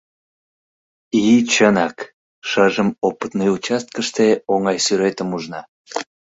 И, чынак, шыжым опытный участкыште оҥай сӱретым ужна.